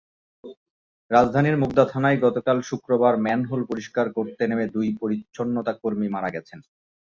রাজধানীর মুগদা থানায় গতকাল শুক্রবার ম্যানহোল পরিষ্কার করতে নেমে দুই পরিচ্ছন্নতাকর্মী মারা গেছেন।